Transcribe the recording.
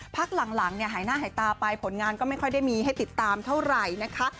พักหลังเนี่ยหายหน้าหายตาไปผลงานก็ไม่ค่อยได้มีให้ติดตามเท่าไหร่นะคะ